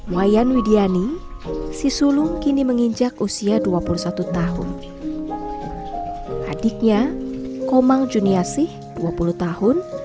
wayan widiani si sulung kini menginjak usia dua puluh satu tahun adiknya komang juniasih dua puluh tahun